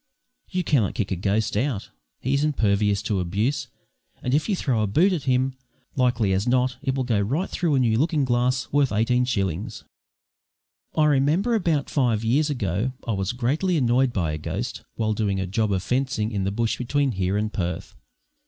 You cannot kick a ghost out; he is impervious to abuse, and if you throw a boot at him, likely as not it will go right through a new looking glass worth eighteen shillings. I remember, about five years ago, I was greatly annoyed by a ghost, while doing a job of fencing in the bush between here and Perth.